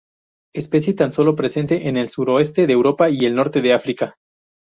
Especie tan solo presente en el suroeste de Europa y el norte de África.